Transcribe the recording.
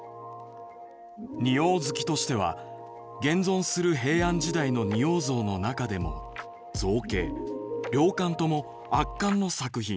「仁王好きとしては現存する平安時代の仁王像の中でも造形量感とも圧巻の作品。